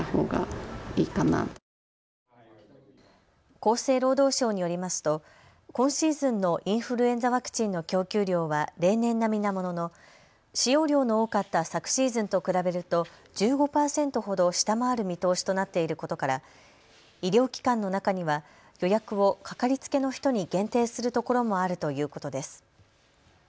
厚生労働省によりますと今シーズンのインフルエンザワクチンの供給量は例年並みなものの使用量の多かった昨シーズンと比べると１５％ほど下回る見通しとなっていることから医療機関の中には予約をかかりつけの人に限定するところもあるということです。